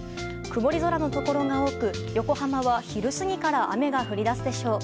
曇り空のところが多く横浜は昼過ぎから雨が降り出すでしょう。